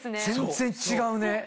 全然違うね。